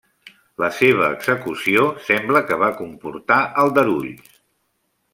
La seva execució sembla que va comportar aldarulls.